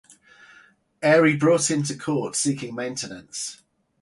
Airey brought him to court seeking maintenance.